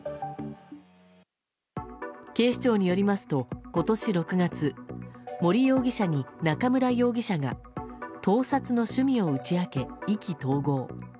警視庁によりますと今年６月、森容疑者に中村容疑者が盗撮の趣味を打ち明け、意気投合。